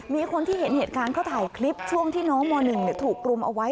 มีคนที่เห็นเหตุการณ์เขาถ่ายคลิปช่วงที่น้องม๑ถูกรุมเอาไว้